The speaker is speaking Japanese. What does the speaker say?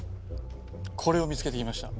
これを見つけてきました。